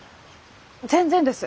全然です。